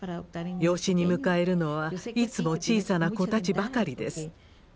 養子に迎えるのはいつも小さな子たちばかりです。